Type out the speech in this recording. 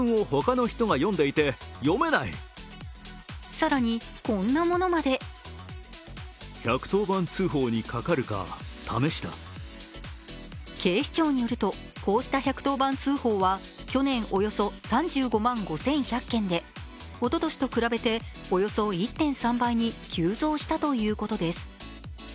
更に、こんなものまで警視庁によると、こうした１１０番通報は去年およそ３５万５１００件でおととしと比べておよそ１．３倍に急増したということです。